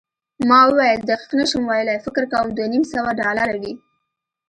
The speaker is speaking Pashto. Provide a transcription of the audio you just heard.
ما وویل، دقیق نه شم ویلای، فکر کوم دوه نیم سوه ډالره وي.